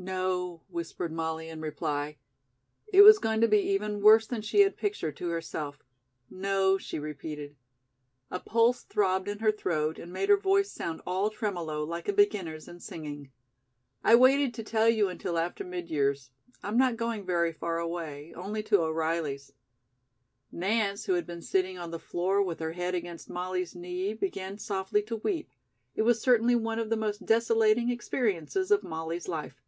"No," whispered Molly in reply. It was going to be even worse than she had pictured to herself. "No," she repeated. A pulse throbbed in her throat and made her voice sound all tremolo like a beginner's in singing. "I waited to tell you until after mid years. I'm not going very far away only to O'Reilly's." Nance, who had been sitting on the floor with her head against Molly's knee, began softly to weep. It was certainly one of the most desolating experiences of Molly's life.